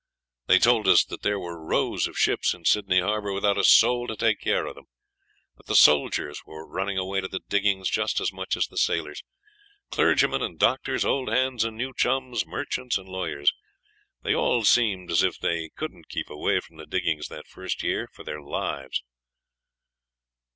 They told us that there were rows of ships in Sydney Harbour without a soul to take care of them; that the soldiers were running away to the diggings just as much as the sailors; clergymen and doctors, old hands and new chums, merchants and lawyers. They all seemed as if they couldn't keep away from the diggings that first year for their lives.